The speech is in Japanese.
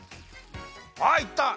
あいった！